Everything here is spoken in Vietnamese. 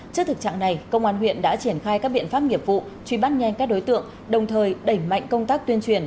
trước thực trạng này công an huyện đã triển khai các biện pháp nghiệp vụ truy bắt nhanh các đối tượng đồng thời đẩy mạnh công tác tuyên truyền